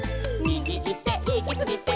「みぎいっていきすぎて」